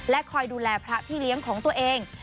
คอยดูแลพระพี่เลี้ยงของตัวเอง